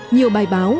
nhiều bài báo